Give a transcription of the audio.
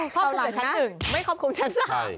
ครอบคลุมกับชั้น๑ไม่ครอบคลุมชั้น๓